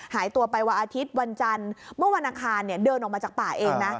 หายตัวไปวันอาทิตย์วันจันทร์เมื่อวันอังคารเดินออกมาจากป่าเองนะ